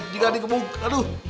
jika dikebuk aduh